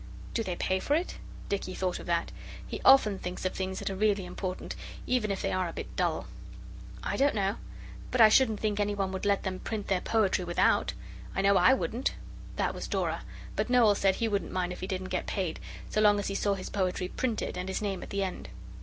'Do they pay for it?' Dicky thought of that; he often thinks of things that are really important, even if they are a little dull. 'I don't know. But I shouldn't think any one would let them print their poetry without. I wouldn't I know.' That was Dora; but Noel said he wouldn't mind if he didn't get paid, so long as he saw his poetry printed and his name at the end.